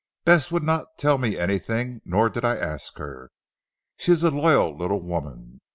Bess would not tell me anything, nor did I ask her. She is a loyal little woman.